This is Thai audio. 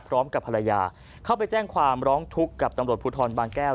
พร้อมกับภรรยาเข้าไปแจ้งความร้องทุกข์กับตำรวจภูทรบางแก้ว